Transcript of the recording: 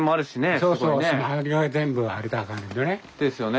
そうそう。ですよね。